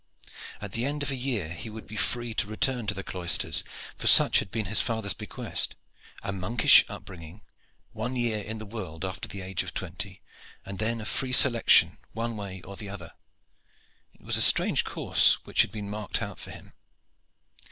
At the end of a year he would be free to return to the cloisters, for such had been his father's bequest. A monkish upbringing, one year in the world after the age of twenty, and then a free selection one way or the other it was a strange course which had been marked out for him.